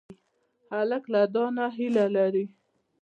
هلک له دعا نه هیله لري.